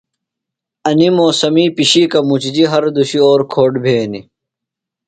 انیۡ موسمی پِشِیکہ مُچِجیۡ ہر دُشی اور کھوٹ بھینیۡ۔